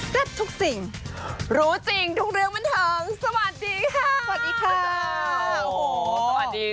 สรับทุกสิ่งรู้จริงทุกเรื่องบันทึงสวัสดีค่ะสวัสดีค่ะสวัสดีค่ะโอ้โหสวัสดี